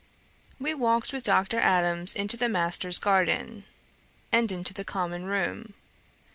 We walked with Dr. Adams into the master's garden, and into the common room.